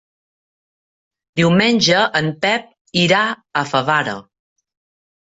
Diumenge en Pep irà a Favara.